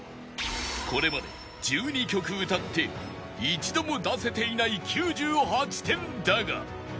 これまで１２曲歌って一度も出せていない９８点だが